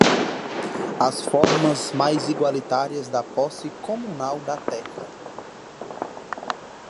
as formas mais igualitárias da posse comunal da terra